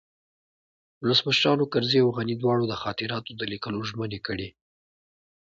ولسمشرانو کرزي او غني دواړو د خاطراتو د لیکلو ژمني کړې